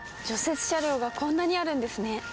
雪車両がこんなにあるんですね。